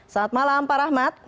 selamat malam pak rahmat